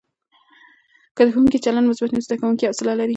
که د ښوونکي چلند مثبت وي، زده کوونکي حوصله لري.